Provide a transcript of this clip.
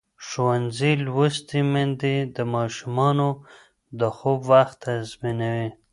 ښوونځې لوستې میندې د ماشومانو د خوب وخت تنظیموي.